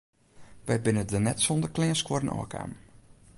Wy binne der net sûnder kleanskuorren ôfkaam.